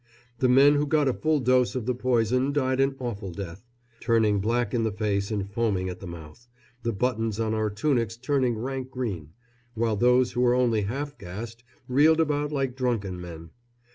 The men who got a full dose of the poison died an awful death, turning black in the face and foaming at the mouth, the buttons on our tunics turning rank green; while those who were only half gassed reeled about like drunken men.